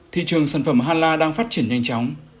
thị trường sản phẩm hà la đang phát triển nhanh chóng